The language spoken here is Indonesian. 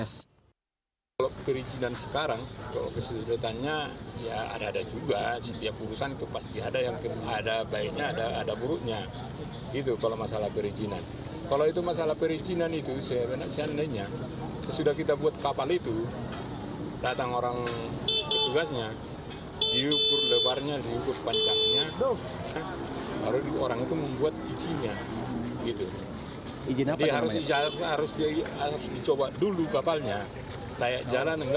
saya ingat waktu itu siapa saja yang ada di sekeliling